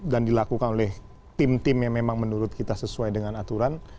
dan dilakukan oleh tim tim yang memang menurut kita sesuai dengan aturan